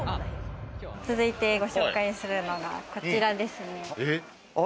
続いてご紹介するのは、こちらですね。